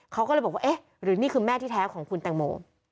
เขาก็เลยบอกว่าเอ๊ะหรือนี่คือแม่ที่แท้ของคุณแตงโม